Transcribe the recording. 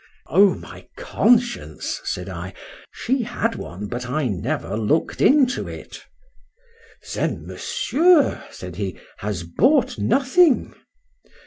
—O, my conscience! said I, she had one but I never look'd into it.—Then Monsieur, said he, has bought nothing?